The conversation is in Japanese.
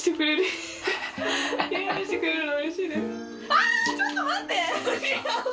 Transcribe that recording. あちょっと待って！